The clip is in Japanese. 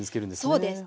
そうです。